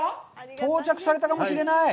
到着されたかもしれない！